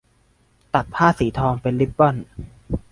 ตัดผ้าสีทองเป็นริบบอน